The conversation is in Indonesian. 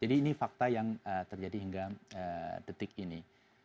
jadi ini fakta yang terjadi hingga detik ini